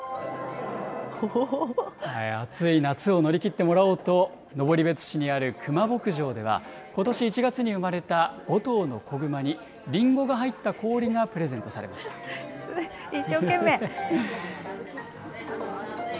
暑い夏を乗り切ってもらおうと、登別市にあるクマ牧場では、ことし１月に生まれた５頭の子グマに、りんごが入った氷がプレゼ一生懸命。